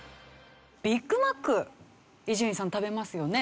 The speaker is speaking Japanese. ビッグマック伊集院さん食べますよね？